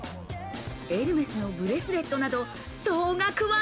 エルメスのブレスレットなど、総額は？